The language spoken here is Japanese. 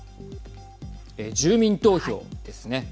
住民投票ですね。